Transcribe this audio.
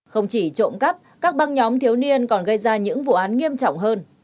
không chỉ trộm cắp các băng nhóm thiếu niên còn gây ra những vụ án nghiêm trọng hơn